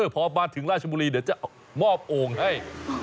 พอมาถึงราชบุรีเดี๋ยวจะมอบโอ่งให้